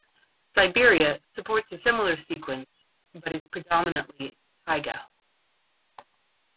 Siberia supports a similar sequence but is predominantly taiga.